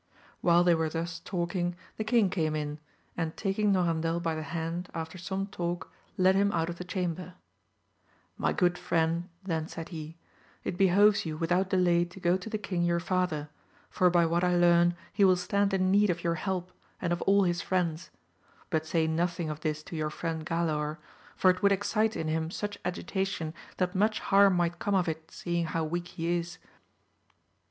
While they were thus talking, the king came in, and taking Norandel by the hand after some talk, led him out of the chamber ; My good friend, then said he, it behoves you without delay to go to the king your father, for by what I learn he will stand in need of your help, and of all his friends ; but say nothing of this to your friend Galaor, for it would excite in him such agitation that much harm might come of it seeing how weak he is.